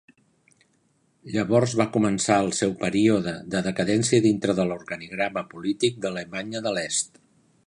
Llavors va començar el seu període de decadència dintre de l'organigrama polític d'Alemanya de l'Est.